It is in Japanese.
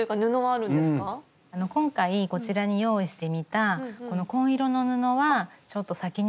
あの今回こちらに用意してみたこの紺色の布はちょっと裂き